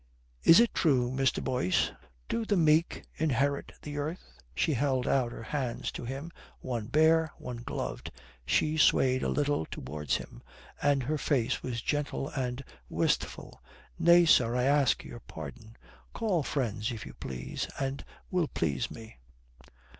"Is it true, Mr. Boyce do the meek inherit the earth?" She held out her hands to him, one bare, one gloved, she swayed a little towards him, and her face was gentle and wistful. "Nay, sir, I ask your pardon. Call friends if you please and will please me."